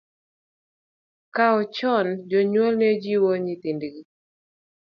Koa chon jonyuol ne jiwo nyithindgi .